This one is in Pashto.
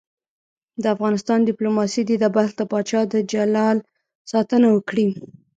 د افغانستان دیپلوماسي دې د بلخ د پاچا د جلال ساتنه وکړي.